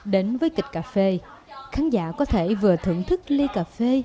đến với kịch cà phê khán giả có thể vừa thưởng thức ly cà phê